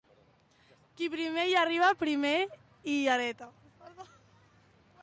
Qui primer hi arriba, primer hi hereta.